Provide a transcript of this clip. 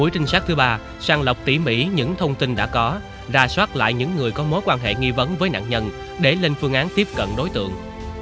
trinh sát thứ ba sàng lọc tỉ mỹ những thông tin đã có ra soát lại những người có mối quan hệ nghi vấn với nạn nhân để lên phương án tiếp cận đối tượng